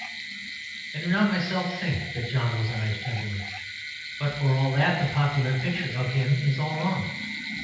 I do not myself think that John was a nice gentleman; but for all that the popular picture of him is all wrong.